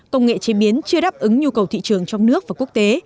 công nghệ chế biến chưa đáp ứng nhu cầu thị trường trong nước và quốc tế